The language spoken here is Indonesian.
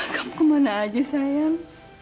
kamu kemana aja sayang